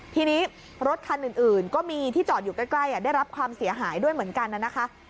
ทีนี้รถคันอื่นก็มีที่จอดอยู่ใกล้ได้รับความเสียหายด้วยเหมือนกันนะคะ